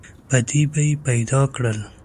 په دې به یې پیدا کړل.